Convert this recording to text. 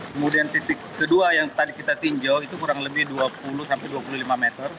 kemudian titik kedua yang tadi kita tinjau itu kurang lebih dua puluh sampai dua puluh lima meter